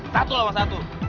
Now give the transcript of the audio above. satu lawan satu